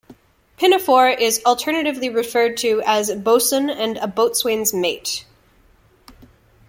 Pinafore" is alternatively referred to as a "bos'un" and a "boatswain's mate.